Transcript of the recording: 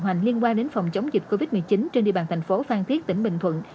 hoành liên quan đến phòng chống dịch covid một mươi chín trên địa bàn thành phố phan thiết tỉnh bình thuận